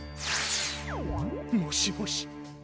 もしもし。